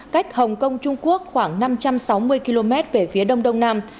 cách hồng kông trung quốc khoảng năm trăm sáu mươi km về phía đông đông nam